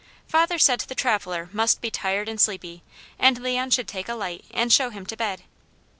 Father said the traveller must be tired and sleepy and Leon should take a light and show him to bed.